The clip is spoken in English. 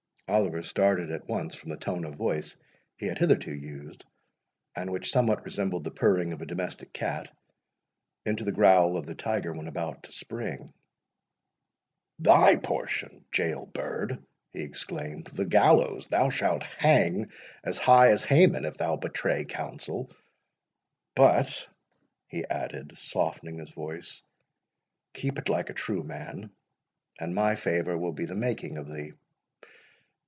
Oliver started at once from the tone of voice he had hitherto used, and which somewhat resembled the purring of a domestic cat, into the growl of the tiger when about to spring. "Thy portion, jail bird!" he exclaimed, "the gallows—thou shalt hang as high as Haman, if thou betray counsel!—But," he added, softening his voice, "keep it like a true man, and my favour will be the making of thee.